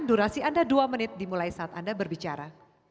durasi anda dua menit dimulai saat anda berbicara